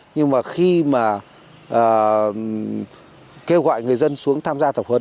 nhưng mà khi mà kêu gọi người dân xuống tham gia tập huấn